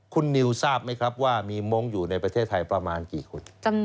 คุณนิวทราบไหมครับว่ามีมงค์อยู่ในประเทศไทยประมาณกี่คน